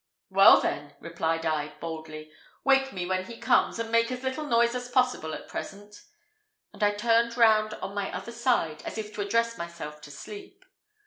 "Well, then," replied I, boldly, "wake me when he comes, and make as little noise as possible at present," and I turned round on my other side, as if to address myself to sleep.